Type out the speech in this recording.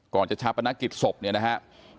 ก่อนจะชาปนกิจศพเนี่ยนะครับ